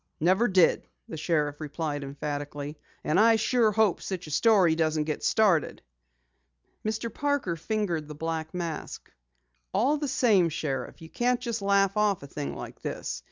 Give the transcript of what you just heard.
"Never did," the sheriff replied emphatically. "And I sure hope such a story doesn't get started." Mr. Parker fingered the black mask. "All the same, Sheriff, you can't just laugh off a thing like this.